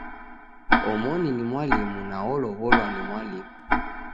Omoni ni mwalimu na olow'olwa ni mwalimu